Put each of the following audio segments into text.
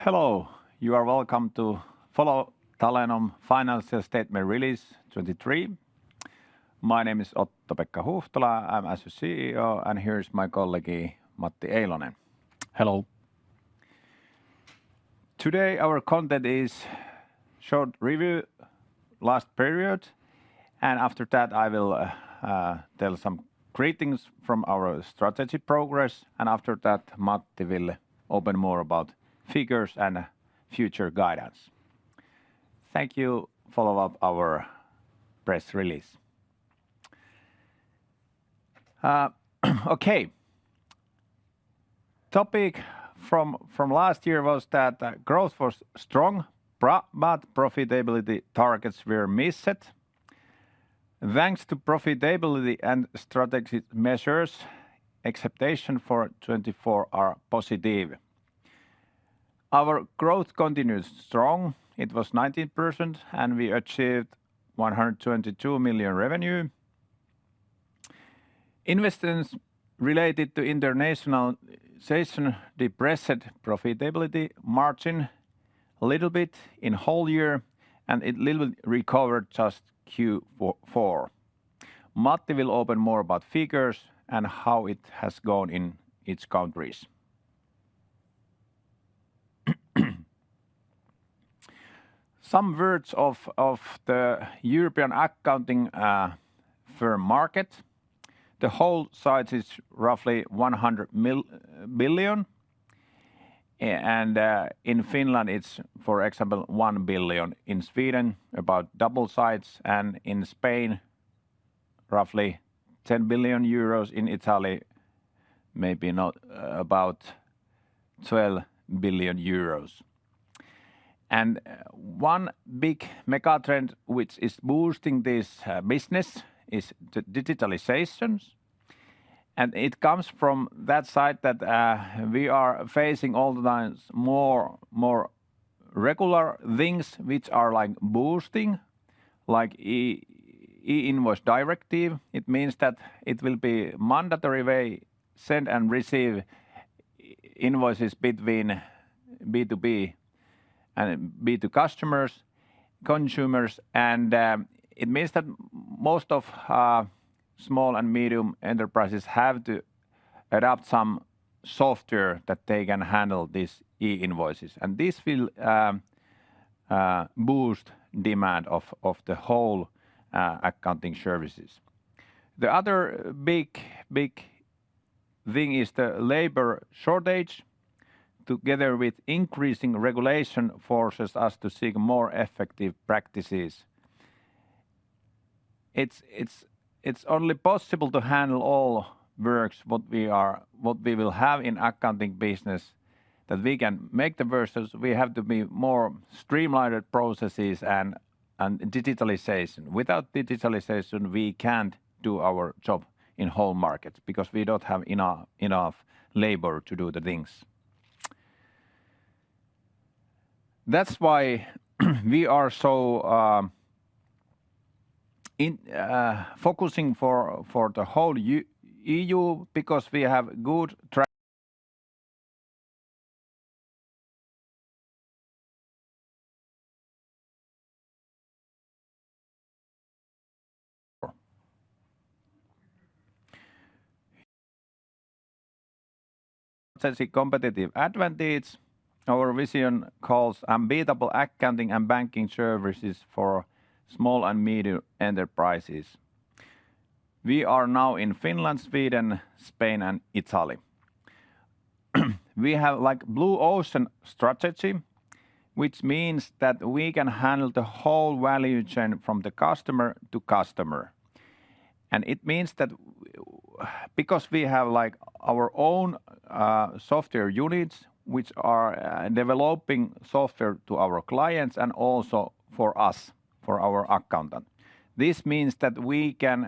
Hello! You are welcome to follow Talenom financial statement release 2023. My name is Otto-Pekka Huhtala. I'm, as CEO, and here is my colleague, Matti Eilonen. Hello. Today, our content is short review last period, and after that, I will tell some greetings from our strategy progress, and after that, Matti will open more about figures and future guidance. Thank you. Follow up our press release. Okay. Topic from last year was that growth was strong, but profitability targets were missed. Thanks to profitability and strategy measures, expectation for 2024 are positive. Our growth continues strong. It was 19%, and we achieved 122 million revenue. Investments related to internationalization depressed profitability margin a little bit in whole year, and it little recovered just Q4 2024. Matti will open more about figures and how it has gone in its countries. Some words of the European accounting firm market. The whole size is roughly 100 billion, and in Finland, it's, for example, 1 billion, in Sweden, about double size, and in Spain, roughly 10 billion euros, in Italy, maybe not about 12 billion euros. One big mega trend, which is boosting this business, is the digitalizations, and it comes from that side that we are facing all the time more regular things which are like boosting, like e-Invoice directive. It means that it will be mandatory way send and receive invoices between B2B and B2C customers, consumers, and it means that most of small and medium enterprises have to adopt some software that they can handle these e-invoices, and this will boost demand of the whole accounting services. The other big, big thing is the labor shortage, together with increasing regulation, forces us to seek more effective practices. It's only possible to handle all works, what we will have in accounting business, that we can make the versions, we have to be more streamlined processes and digitalization. Without digitalization, we can't do our job in home market because we don't have enough labor to do the things. That's why we are so in focusing for the whole EU because we have good tra... competitive advantage. Our vision calls unbeatable accounting and banking services for small and medium enterprises. We are now in Finland, Sweden, Spain, and Italy. We have, like, blue ocean strategy, which means that we can handle the whole value chain from the customer to customer. And it means that because we have, like, our own software units, which are developing software to our clients and also for us, for our accountant, this means that we can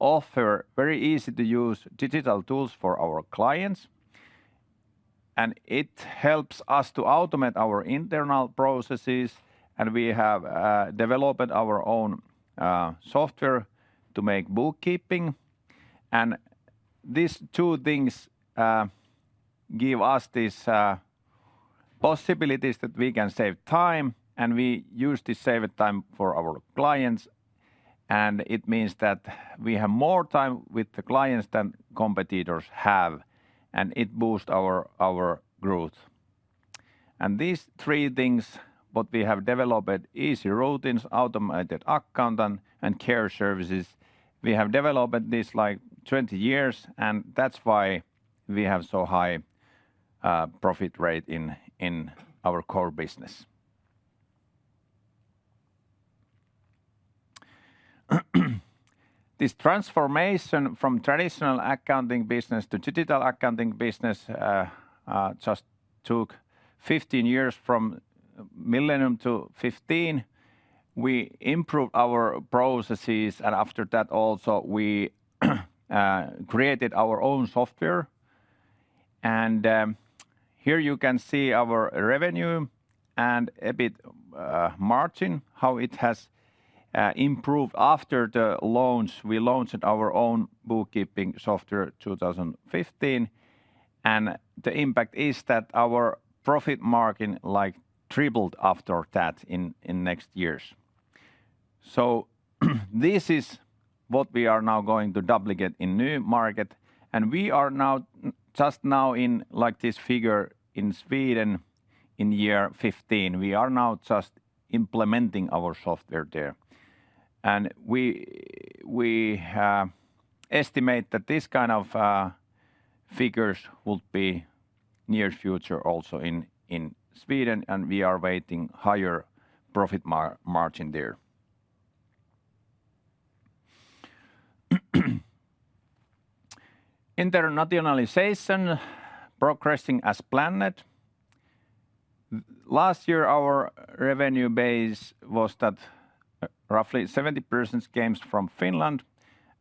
offer very easy-to-use digital tools for our clients, and it helps us to automate our internal processes, and we have developed our own software to make bookkeeping. And these two things give us this possibilities that we can save time, and we use this saved time for our clients, and it means that we have more time with the clients than competitors have, and it boost our growth. And these three things, what we have developed, easy routines, automated accountant and care services, we have developed this, like, 20 years, and that's why we have so high profit rate in our core business. This transformation from traditional accounting business to digital accounting business just took 15 years from millennium to 2015. We improved our processes, and after that, also, we created our own software. And here you can see our revenue and a bit margin, how it has improved after the launch. We launched our own bookkeeping software 2015, and the impact is that our profit margin, like, tripled after that in next years. So this is what we are now going to duplicate in new market, and we are now just now in, like, this figure in Sweden in year 15. We are now just implementing our software there. And we estimate that this kind of figures will be near future also in Sweden, and we are waiting higher profit margin there. Internationalization progressing as planned. Last year, our revenue base was that roughly 70% comes from Finland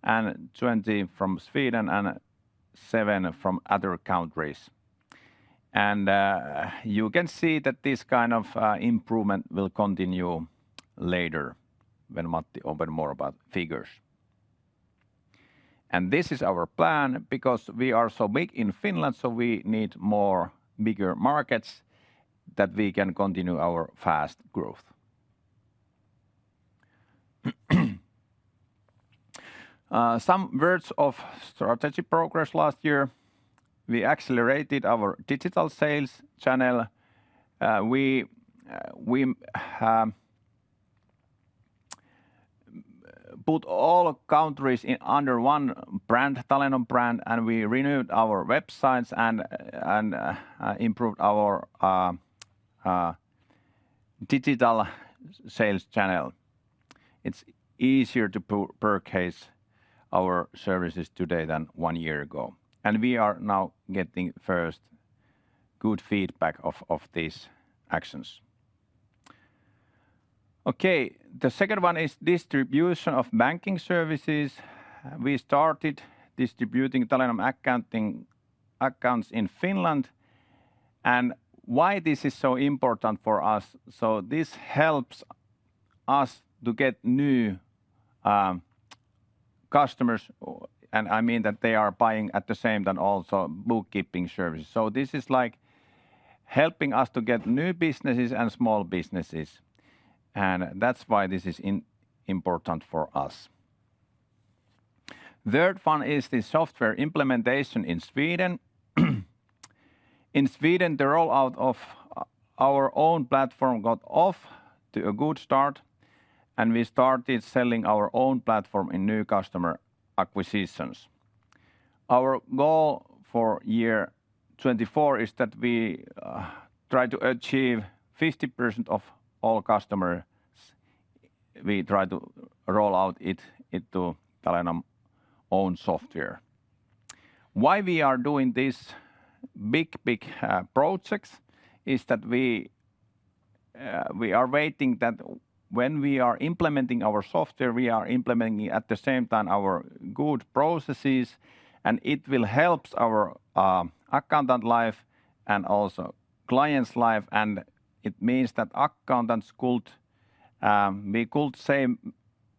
and 20% from Sweden and 7% from other countries. You can see that this kind of improvement will continue later when Matti open more about figures. This is our plan, because we are so big in Finland, so we need more bigger markets that we can continue our fast growth. Some words of strategy progress last year. We accelerated our digital sales channel. We put all countries in under one brand, Talenom brand, and we renewed our websites and improved our digital sales channel. It's easier to purchase our services today than one year ago, and we are now getting first good feedback off these actions. Okay, the second one is distribution of banking services. We started distributing Talenom accounting accounts in Finland, and why this is so important for us. So this helps us to get new customers, and I mean that they are buying at the same time also bookkeeping services. So this is, like, helping us to get new businesses and small businesses, and that's why this is important for us. Third one is the software implementation in Sweden. In Sweden, the rollout of our own platform got off to a good start, and we started selling our own platform in new customer acquisitions. Our goal for year 2024 is that we try to achieve 50% of all customers. We try to roll out it into Talenom own software. Why we are doing this big, big, projects is that we, we are waiting that when we are implementing our software, we are implementing at the same time our good processes, and it will helps our, accountant life and also client's life. And it means that accountants could... we could save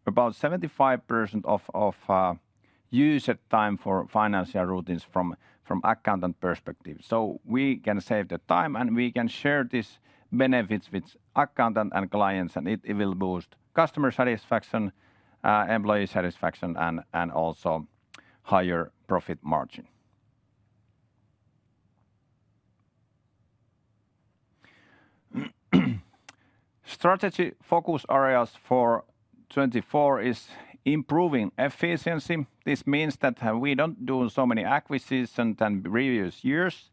about 75% of, of, user time for financial routines from, from accountant perspective. So we can save the time, and we can share these benefits with accountant and clients, and it, it will boost customer satisfaction, employee satisfaction, and, and also higher profit margin. Strategy focus areas for 2024 is improving efficiency. This means that, we don't do so many acquisitions than previous years,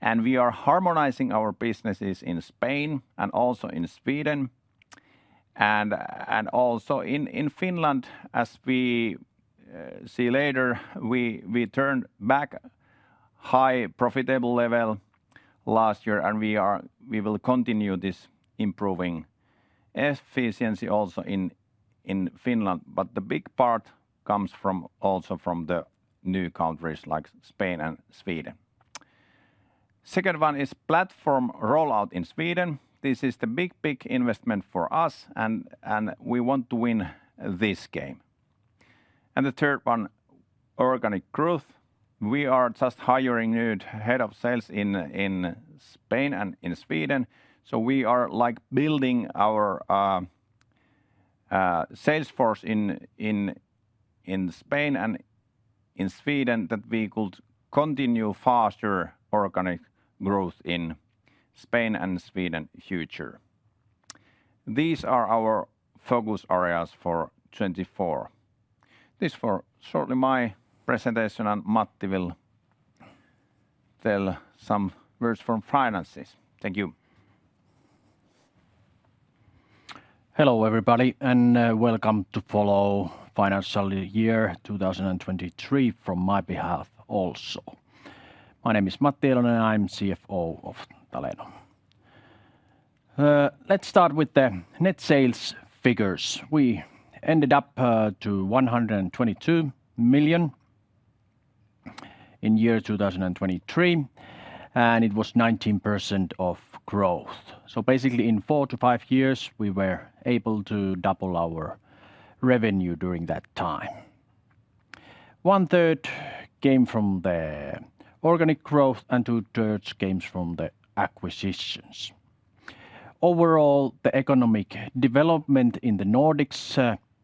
and we are harmonizing our businesses in Spain and also in Sweden. Also in Finland, as we see later, we turn back high profitable level last year, and we will continue this improving efficiency also in Finland. But the big part comes also from the new countries like Spain and Sweden. Second one is platform rollout in Sweden. This is the big, big investment for us, and we want to win this game. And the third one, organic growth. We are just hiring new head of sales in Spain and in Sweden, so we are, like, building our sales force in Spain and in Sweden, that we could continue faster organic growth in Spain and Sweden future. These are our focus areas for 2024. This for shortly my presentation, and Matti will tell some words from finances. Thank you. Hello, everybody, and welcome to follow financial year 2023 from my behalf also. My name is Matti Eilonen, I'm CFO of Talenom. Let's start with the net sales figures. We ended up to 122 million in year 2023, and it was 19% growth. So basically, in 4-5 years, we were able to double our revenue during that time. One third came from the organic growth and two thirds came from the acquisitions. Overall, the economic development in the Nordics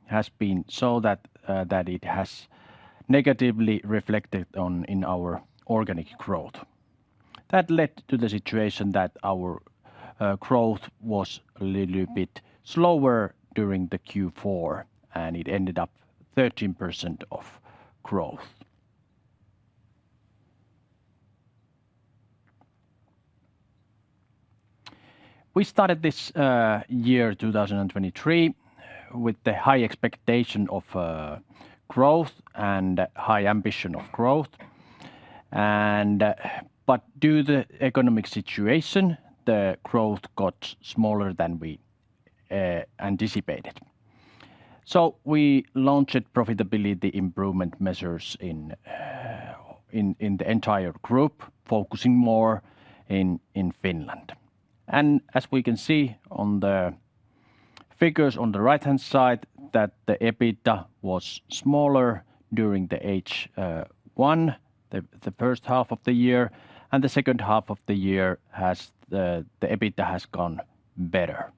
has been so that that it has negatively reflected on our organic growth. That led to the situation that our growth was a little bit slower during the Q4, and it ended up 13% growth. We started this year, 2023, with the high expectation of growth and high ambition of growth. But due to the economic situation, the growth got smaller than we anticipated. So we launched profitability improvement measures in the entire group, focusing more in Finland. And as we can see on the figures on the right-hand side, the EBITDA was smaller during H1, the first half of the year, and the second half of the year, the EBITDA has gone better.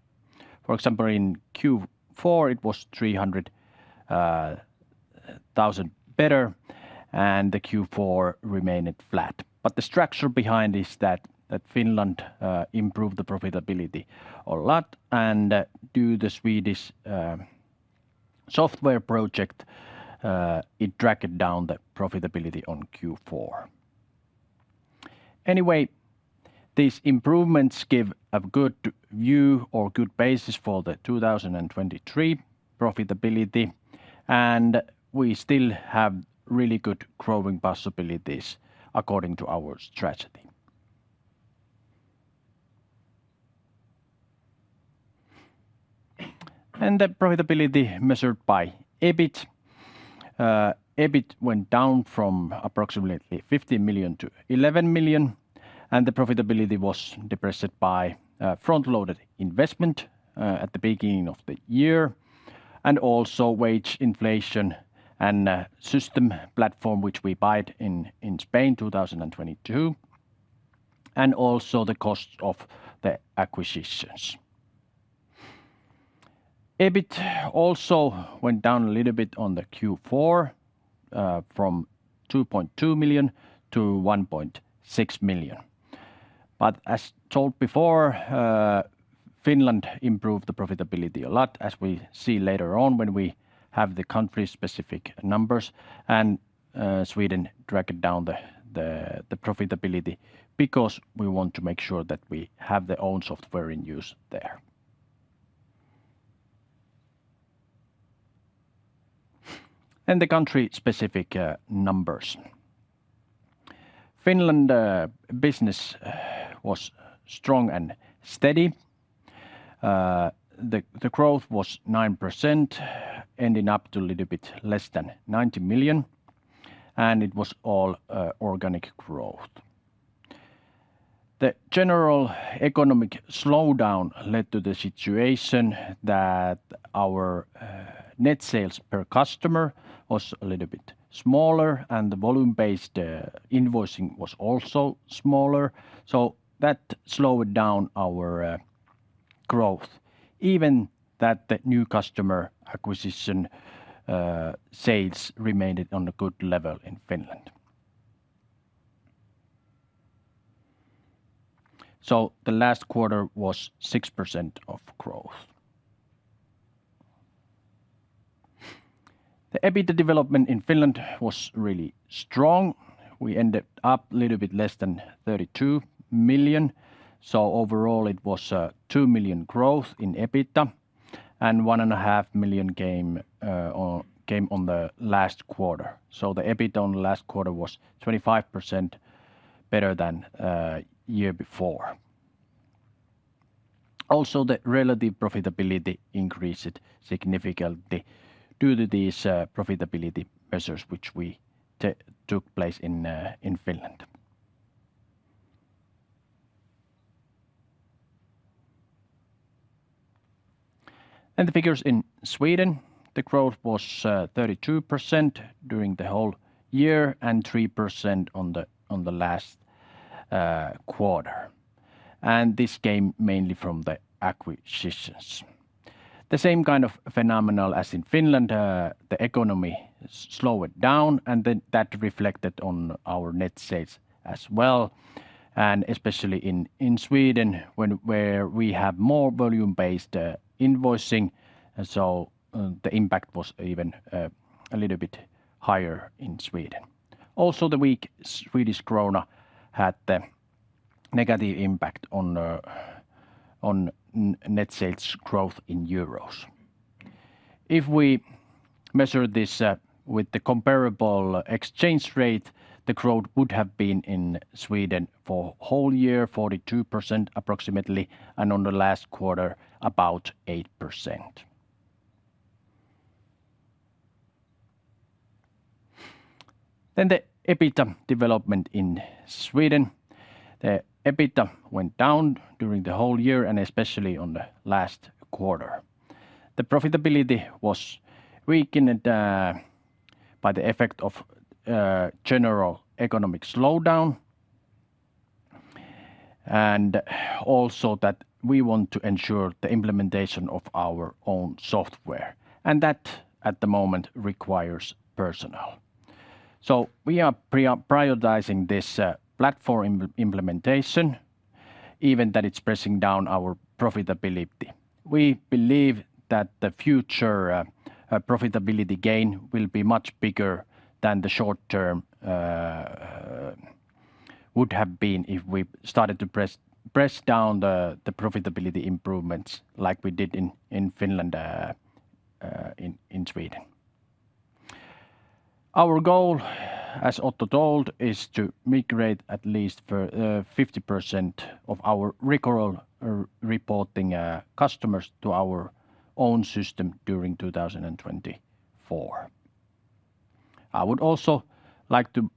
For example, in Q4, it was 300,000 better, and the Q4 remained flat. But the structure behind is that Finland improved the profitability a lot and due to the Swedish software project, it dragged down the profitability on Q4. Anyway, these improvements give a good view or good basis for the 2023 profitability, and we still have really good growing possibilities according to our strategy. And the profitability measured by EBIT. EBIT went down from approximately 50 million to 11 million, and the profitability was depressed by front-loaded investment at the beginning of the year, and also wage inflation and system platform, which we buy it in, in Spain, 2022, and also the cost of the acquisitions. EBIT also went down a little bit on the Q4 from 2.2 million to 1.6 million. But as told before, Finland improved the profitability a lot, as we see later on when we have the country-specific numbers, and Sweden dragged down the profitability because we want to make sure that we have their own software in use there. And the country-specific numbers. Finland business was strong and steady. The growth was 9%, ending up to a little bit less than 90 million, and it was all organic growth. The general economic slowdown led to the situation that our net sales per customer was a little bit smaller, and the volume-based invoicing was also smaller, so that slowed down our growth. Even that the new customer acquisition sales remained on a good level in Finland. So the last quarter was 6% of growth. The EBITDA development in Finland was really strong. We ended up a little bit less than 32 million. So overall, it was a 2 million growth in EBITDA, and 1.5 million came on the last quarter. So the EBITDA on the last quarter was 25% better than year before. Also, the relative profitability increased significantly due to these profitability measures, which we took place in Finland. And the figures in Sweden, the growth was 32% during the whole year and 3% on the last quarter, and this came mainly from the acquisitions. The same kind of phenomenon as in Finland, the economy slowed down, and then that reflected on our net sales as well, and especially in Sweden, where we have more volume-based invoicing, so the impact was even a little bit higher in Sweden. Also, the weak Swedish krona had a negative impact on net sales growth in euros. If we measure this with the comparable exchange rate, the growth would have been in Sweden for a whole year, 42%, approximately, and on the last quarter, about 8%. Then the EBITDA development in Sweden. The EBITDA went down during the whole year, and especially on the last quarter. The profitability was weakened by the effect of general economic slowdown, and also that we want to ensure the implementation of our own software, and that, at the moment, requires personnel. So we are prioritizing this platform implementation, even that it's pressing down our profitability. We believe that the future profitability gain will be much bigger than the short term would have been if we started to press down the profitability improvements like we did in Finland in Sweden. Our goal, as Otto told, is to migrate at least 50% of our Recoro reporting customers to our own system during 2024. I would also like to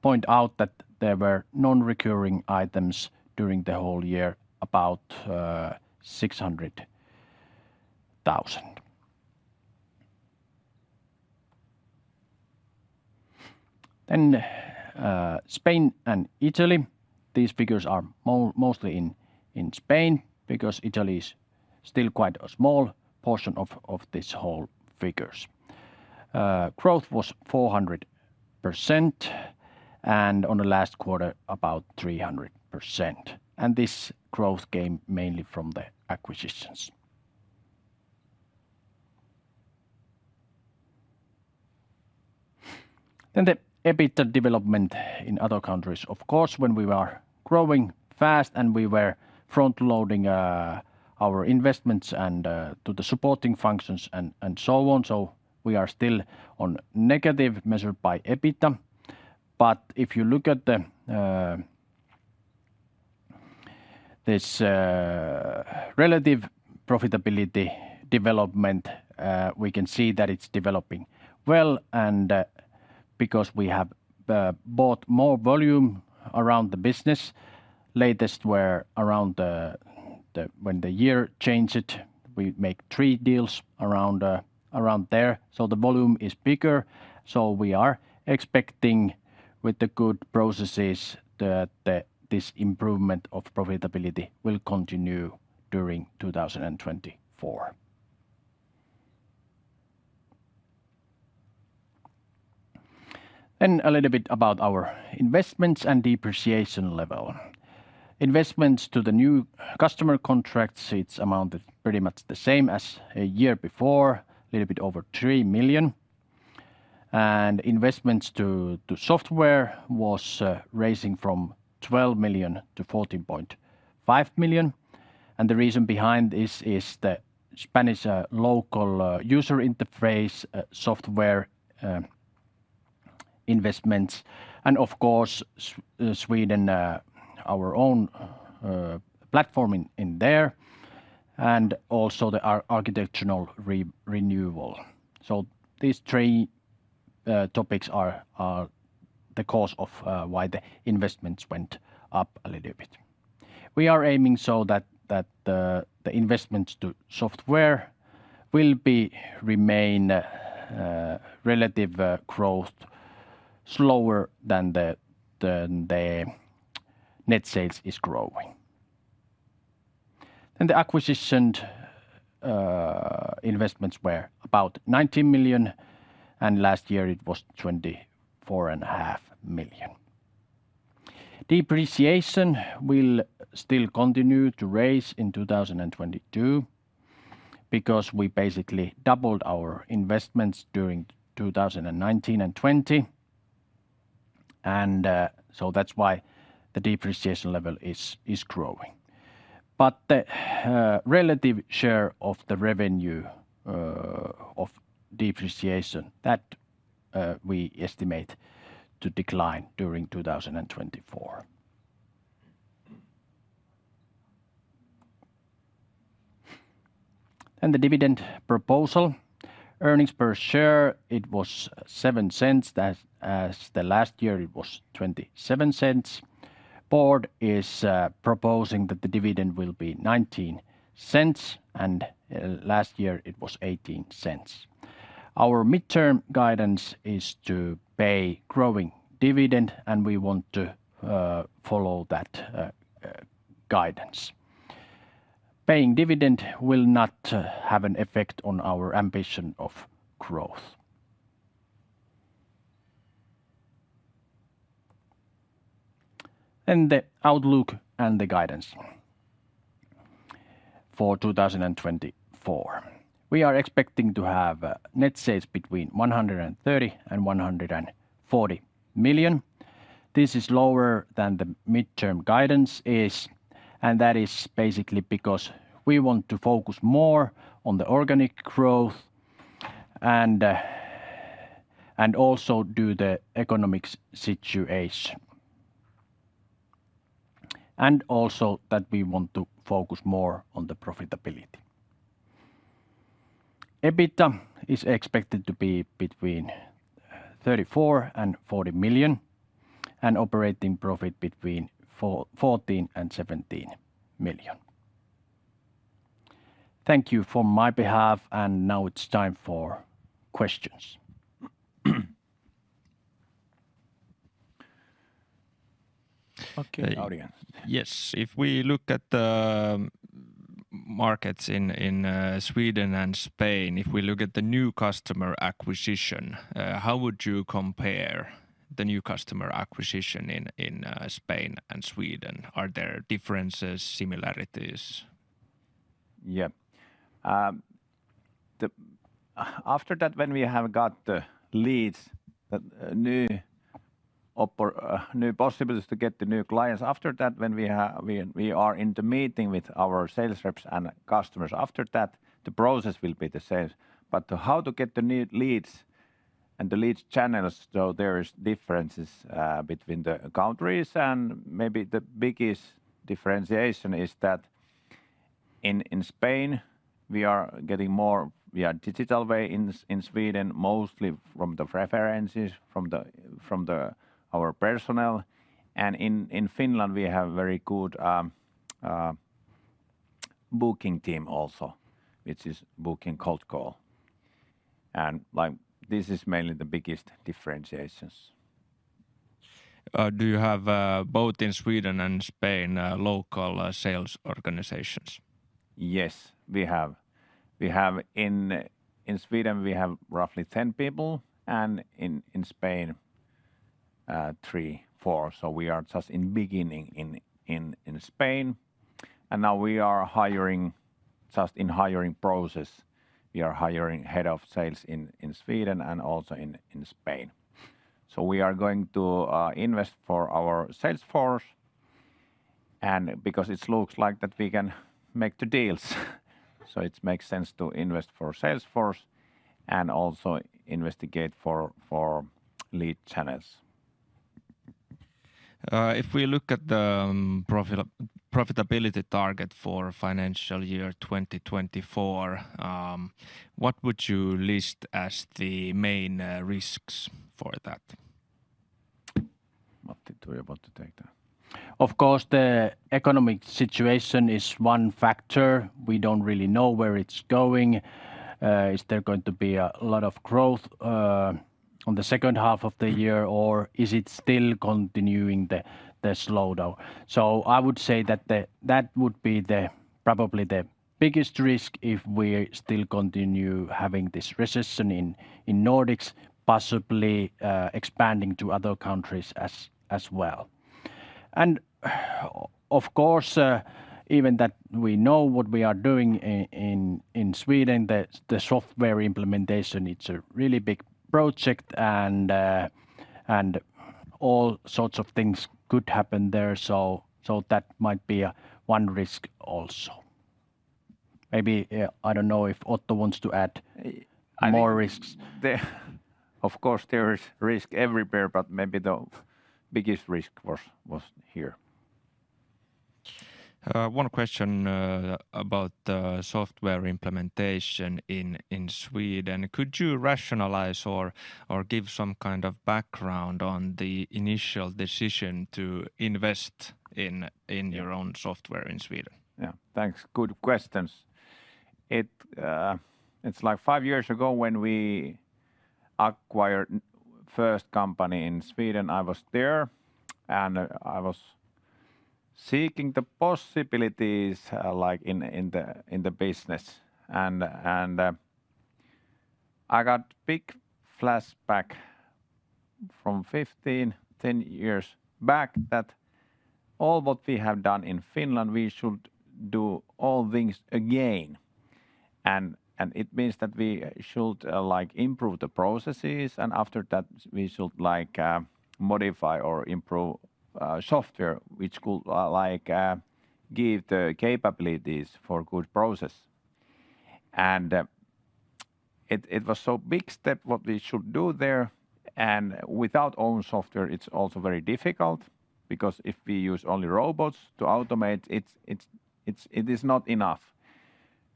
point out that there were non-recurring items during the whole year, about 600,000. Then, Spain and Italy, these figures are mostly in Spain, because Italy is still quite a small portion of this whole figures. Growth was 400%, and on the last quarter, about 300%, and this growth came mainly from the acquisitions. Then the EBITDA development in other countries. Of course, when we were growing fast and we were front-loading our investments and to the supporting functions and so on, so we are still on negative measured by EBITDA. But if you look at this relative profitability development, we can see that it's developing well, and because we have bought more volume around the business, latest were around the. When the year changed, we make three deals around there. So the volume is bigger, so we are expecting, with the good processes, that this improvement of profitability will continue during 2024. Then a little bit about our investments and depreciation level. Investments to the new customer contracts, it's amounted pretty much the same as a year before, a little bit over 3 million. Investments to software was raising from 12 million-14.5 million, and the reason behind this is the Spanish local user interface software investments, and of course, Sweden, our own platform in there, and also the architectural renewal. So these three topics are the cause of why the investments went up a little bit. We are aiming so that the investments to software will be remain relative growth slower than the net sales is growing. Then the acquisition investments were about 19 million, and last year it was 24.5 million. Depreciation will still continue to raise in 2022 because we basically doubled our investments during 2019 and 2020, so that's why the depreciation level is growing. But the relative share of the revenue of depreciation that we estimate to decline during 2024. And the dividend proposal. Earnings per share, it was 0.07. As last year, it was 0.27. Board is proposing that the dividend will be 0.19, and last year it was 0.18. Our midterm guidance is to pay growing dividend, and we want to follow that guidance. Paying dividend will not have an effect on our ambition of growth. Then the outlook and the guidance for 2024. We are expecting to have net sales between 130 million and 140 million. This is lower than the midterm guidance is, and that is basically because we want to focus more on the organic growth and also due to the economic situation. And also that we want to focus more on the profitability. EBITDA is expected to be between 34 million and 40 million, and operating profit between 14 million and 17 million. Thank you on my behalf, and now it's time for questions. Okay, Audian. Yes, if we look at the markets in Sweden and Spain, if we look at the new customer acquisition, how would you compare the new customer acquisition in Spain and Sweden? Are there differences, similarities? Yeah. After that, when we have got the leads, the new possibilities to get the new clients, after that, when we are in the meeting with our sales reps and customers, after that, the process will be the same. But how to get the new leads and the leads channels, though, there is differences between the countries. And maybe the biggest differentiation is that in Spain, we are getting more via digital way in Sweden, mostly from the references from our personnel. And in Finland, we have very good booking team also, which is booking cold call. And, like, this is mainly the biggest differentiations. Do you have both in Sweden and Spain local sales organizations? Yes, we have. We have in Sweden, we have roughly 10 people, and in Spain, 3, 4. So we are just in beginning in Spain, and now we are hiring, just in hiring process. We are hiring head of sales in Sweden and also in Spain. So we are going to invest for our sales force, and because it looks like that we can make the deals, so it makes sense to invest for sales force and also investigate for lead channels. If we look at the profitability target for financial year 2024, what would you list as the main risks for that? Matti, do you want to take that? Of course, the economic situation is one factor. We don't really know where it's going. Is there going to be a lot of growth on the second half of the year, or is it still continuing the slowdown? So I would say that that would be probably the biggest risk if we still continue having this recession in Nordics, possibly expanding to other countries as well. And of course, even that we know what we are doing in Sweden, the software implementation, it's a really big project, and all sorts of things could happen there. So that might be one risk also. Maybe I don't know if Otto wants to add- I-... more risks. Of course, there is risk everywhere, but maybe the biggest risk was here. One question about the software implementation in Sweden. Could you rationalize or give some kind of background on the initial decision to invest in your own software in Sweden? Yeah. Thanks, good questions. It's like 5 years ago when we acquired first company in Sweden, I was there, and I was seeking the possibilities, like, in the business. And I got big flashback from 15, 10 years back, that all what we have done in Finland, we should do all things again. And it means that we should, like, improve the processes, and after that, we should, like, modify or improve software, which could, like, give the capabilities for good process. And it was so big step what we should do there, and without own software, it's also very difficult, because if we use only robots to automate, it is not enough.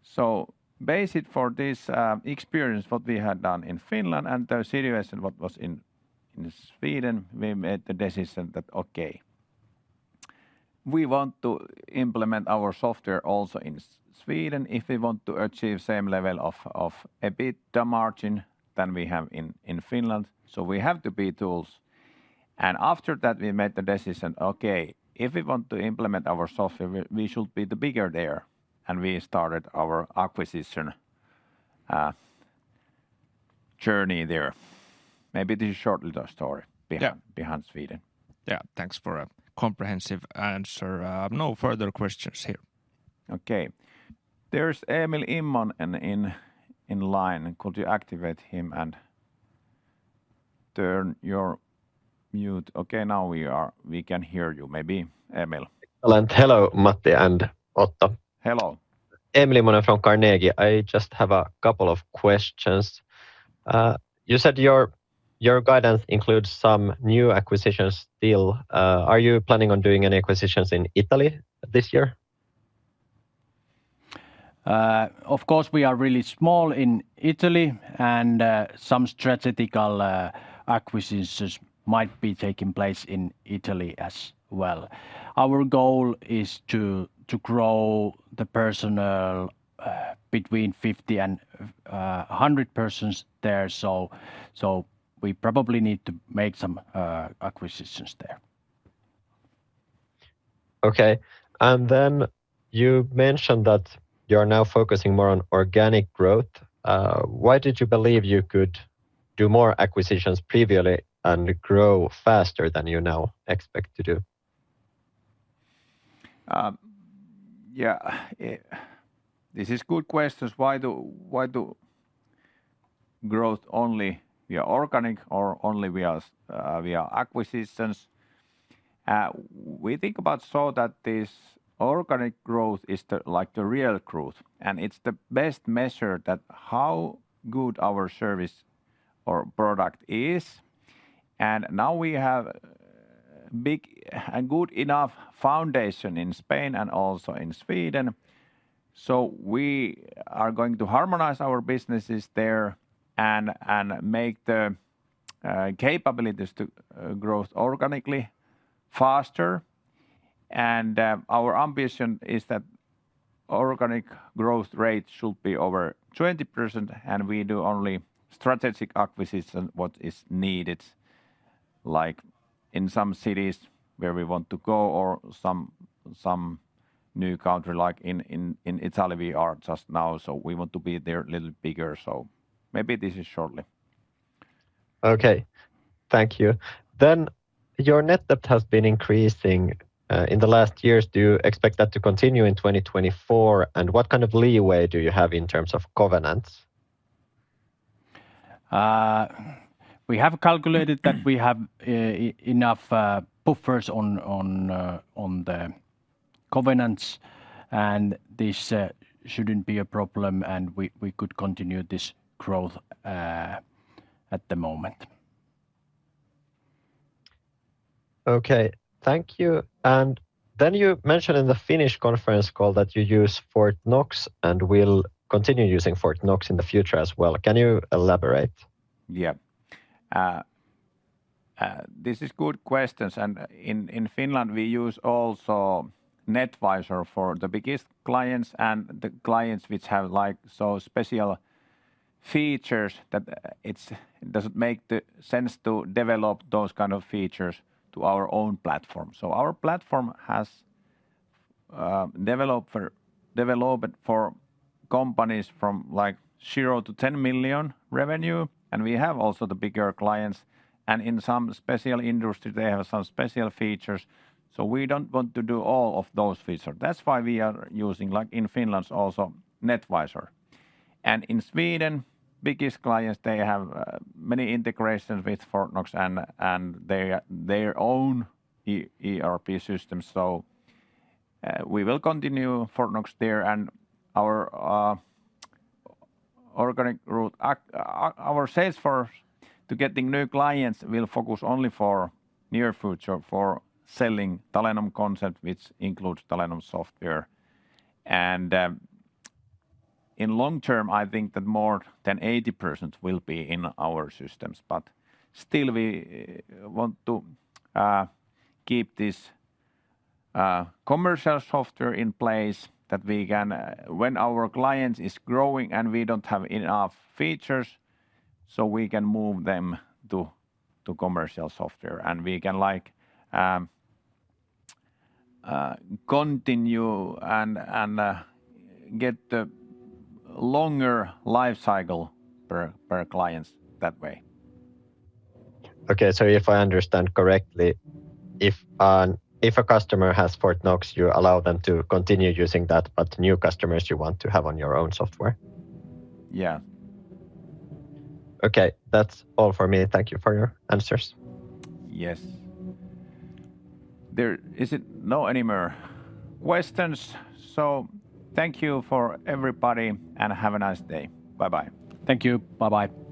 So, based on this experience, what we had done in Finland and the situation what was in Sweden, we made the decision that, okay, we want to implement our software also in Sweden if we want to achieve same level of EBITDA margin than we have in Finland. So we have to be tools. And after that, we made the decision, okay, if we want to implement our software, we should be the bigger there, and we started our acquisition journey there. Maybe this is shortly the story. Yeah... behind, behind Sweden. Yeah, thanks for a comprehensive answer. No further questions here. Okay. There's Emil Immonen in line. Could you activate him and turn your mute... Okay, now we can hear you, maybe, Emil. Hello, Matti and Otto. Hello.... Emil Immonen from Carnegie. I just have a couple of questions. You said your guidance includes some new acquisitions deal. Are you planning on doing any acquisitions in Italy this year? Of course, we are really small in Italy, and some strategic acquisitions might be taking place in Italy as well. Our goal is to grow the personnel between 50 and 100 persons there. So we probably need to make some acquisitions there. Okay. And then you mentioned that you're now focusing more on organic growth. Why did you believe you could do more acquisitions previously and grow faster than you now expect to do? Yeah, this is good questions. Why do, why do growth only via organic or only via acquisitions? We think about so that this organic growth is the, like the real growth, and it's the best measure that how good our service or product is. And now we have a good enough foundation in Spain and also in Sweden, so we are going to harmonize our businesses there and make the capabilities to growth organically faster. And our ambition is that organic growth rate should be over 20%, and we do only strategic acquisition, what is needed, like in some cities where we want to go or some new country, like in Italy, we are just now, so we want to be there a little bigger. So maybe this is shortly. Okay, thank you. Then your net debt has been increasing in the last years. Do you expect that to continue in 2024? And what kind of leeway do you have in terms of covenants? We have calculated that we have enough buffers on the covenants, and this shouldn't be a problem, and we could continue this growth at the moment. Okay. Thank you. And then you mentioned in the Finnish conference call that you use Fortnox, and will continue using Fortnox in the future as well. Can you elaborate? Yeah. This is good questions, and in Finland, we use also Netvisor for the biggest clients and the clients which have, like, so special features that it's... It doesn't make the sense to develop those kind of features to our own platform. So our platform has developed for companies from, like, 0 to 10 million revenue, and we have also the bigger clients, and in some special industry, they have some special features, so we don't want to do all of those features. That's why we are using, like in Finland, also Netvisor. And in Sweden, biggest clients, they have many integrations with Fortnox and their own ERP system. So, we will continue Fortnox there. Our organic growth, our sales force to getting new clients will focus only for near future, for selling Talenom concept, which includes Talenom software. In long term, I think that more than 80% will be in our systems, but still we want to keep this commercial software in place that we can. When our clients is growing, and we don't have enough features, so we can move them to commercial software, and we can, like, continue and get the longer life cycle per clients that way. Okay, so if I understand correctly, if a customer has Fortnox, you allow them to continue using that, but new customers you want to have on your own software? Yeah. Okay, that's all for me. Thank you for your answers. Yes. There aren't any more questions, so thank you, everybody, and have a nice day. Bye-bye. Thank you. Bye-bye.